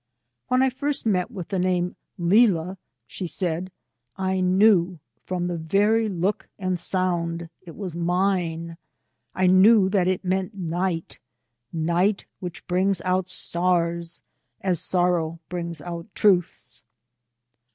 " When I first met with the name Leila,^^ she said, " I knew, from the very look and sound, it was mine; I knew that it meant night, — night, which brings out stars, as sorrow brings out truths.''